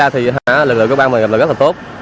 thì lực lượng của bang mình là rất là tốt